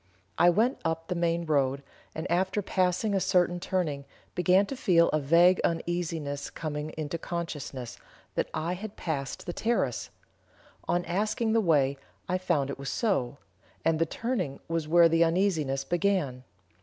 I went up the main road, and, after passing a certain turning, began to feel a vague uneasiness coming into consciousness, that I had passed the terrace. On asking the way, I found it was so; and the turning was where the uneasiness began.